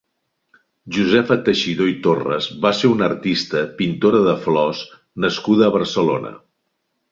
Josefa Teixidor i Torres va ser una artista, pintora de flors nascuda a Barcelona.